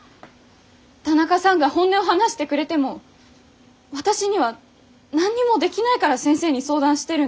田中さんが本音を話してくれても私には何にもできないから先生に相談してるんです。